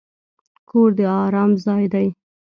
کور د ارام ځای دی.